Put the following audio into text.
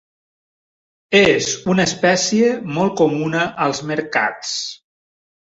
És una espècie molt comuna als mercats.